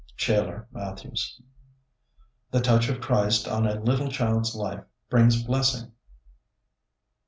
(Shailer Mathews.) The touch of Christ on a little child's life brings blessing.